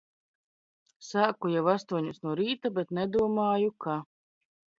S?ku jau asto?os no r?ta, bet nedom?ju, ka